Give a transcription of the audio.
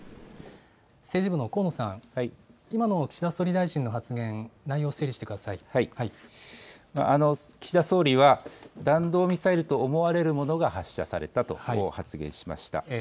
政治部の高野さん、今の岸田総理大臣の発言、内容を整理してくだ岸田総理は、弾道ミサイルと思われるものが発射されたと発言しました。